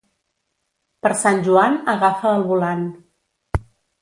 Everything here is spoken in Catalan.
Per Sant Joan agafa el volant.